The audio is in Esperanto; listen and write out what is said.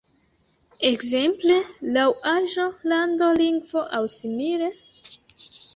Ekzemple laŭ aĝo, lando, lingvo aŭ simile?